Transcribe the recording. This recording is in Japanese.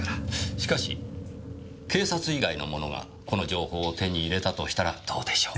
しかし警察以外の者がこの情報を手に入れたとしたらどうでしょう？